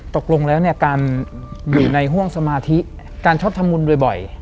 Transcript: ตกลงแล้วเนี่ยการอยู่ในห่วงสมาธิการชอบทำบุญบ่อย